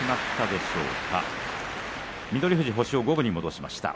翠富士が星を五分に戻しました。